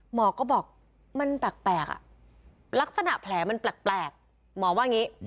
หมอก็บอกมันแปลกลักษณะแผลมันแปลกหมอว่าอย่างนี้